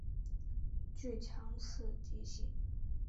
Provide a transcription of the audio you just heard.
具强刺激性。